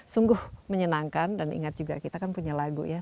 sungguh menyenangkan dan ingat juga kita kan punya lagu ya